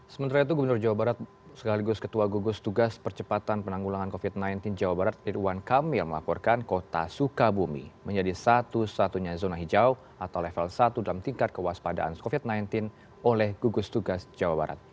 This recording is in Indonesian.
sementara itu gubernur jawa barat sekaligus ketua gugus tugas percepatan penanggulangan covid sembilan belas jawa barat irwan kamil melaporkan kota sukabumi menjadi satu satunya zona hijau atau level satu dalam tingkat kewaspadaan covid sembilan belas oleh gugus tugas jawa barat